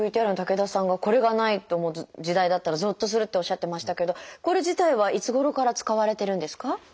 ＶＴＲの竹田さんが「これがない時代だったらぞっとする」っておっしゃってましたけどこれ自体はいつごろから使われてるんですか？